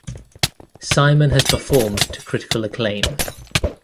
Simon has performed to critical acclaim.